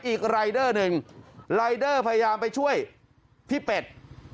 อีกรายเดอร์หนึ่งรายเดอร์พยายามไปช่วยพี่เป็ด